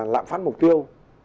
lạm phát mục tiêu